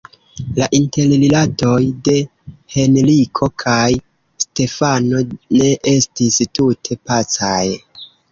La interrilatoj de Henriko kaj Stefano ne estis tute pacaj.